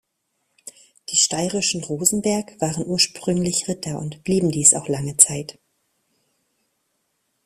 Die steirischen Rosenberg waren ursprünglich Ritter und blieben dies auch lange Zeit.